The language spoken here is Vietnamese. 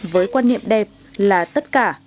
với quan niệm đẹp là tất cả